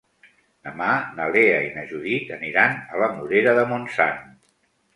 Demà na Lea i na Judit aniran a la Morera de Montsant.